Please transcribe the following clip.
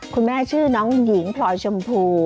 คุณแม่ชื่อน้องหญิงพลอยชมพู